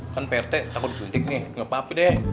kan pak retek takut disuntik nih gapapa deh